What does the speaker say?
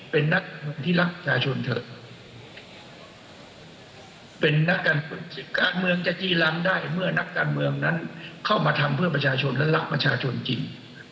เป็นนักการเมืองจะจีรัมได้เมื่อนักการเมืองนั้นเข้ามาทำเพื่อประชาชนและรักประชาชนจริง